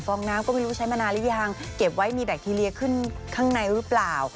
องน้ำก็ไม่รู้ใช้มานานหรือยังเก็บไว้มีแบคทีเรียขึ้นข้างในหรือเปล่า